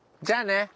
じゃあね。